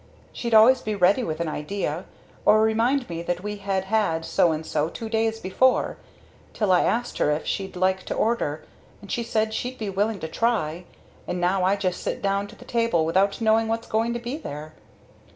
she'd always be ready with an idea, or remind me that we had had so and so two days before, till I asked her if she'd like to order, and she said she'd be willing to try, and now I just sit down to the table without knowing what's going to be there."